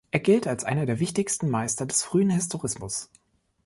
Er gilt als einer der wichtigsten Meister des frühen Historismus.